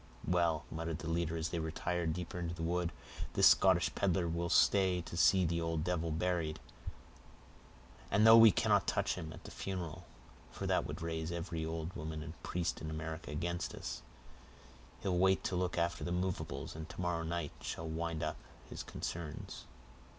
"Well," muttered the leader, as they retired deeper into the wood, "this sottish peddler will stay to see the old devil buried; and though we cannot touch him at the funeral (for that would raise every old woman and priest in America against us), he'll wait to look after the movables, and to morrow night shall wind up his concerns."